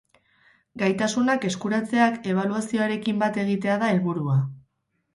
Gaitasunak eskuratzeak ebaluazioarekin bat egitea da helburua.